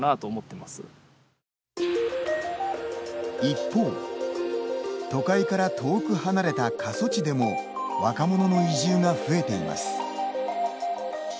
一方、都会から遠く離れた過疎地でも若者の移住が増えています。